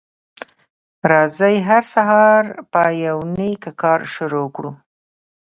راځی هر سهار په یو نیک کار شروع کړو